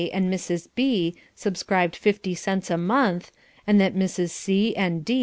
and Mrs. B. subscribed fifty cents a month, and that Mrs. C. and D.